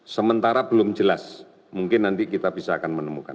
sementara belum jelas mungkin nanti kita bisa akan menemukan